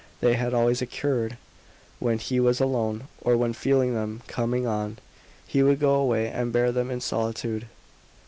They had always occurred when he was alone, or when feeling them coming on he could go away and bear them in solitude.